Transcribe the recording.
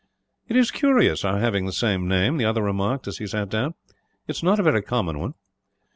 "It is curious, our having the same name," the other remarked, as he sat down. "It is not a very common one."